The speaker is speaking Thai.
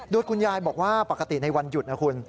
โดยคุณยายบอกว่าปกติในวันหยุดนะคุณ